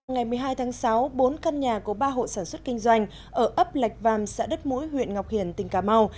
ngày một mươi hai tháng sáu bốn căn nhà của ba hộ sản xuất kinh doanh ở ấp lạch vàm xã đất mũi huyện ngọc hiển tỉnh cà mau